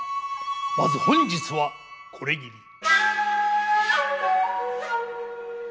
まず本日はこれぎり。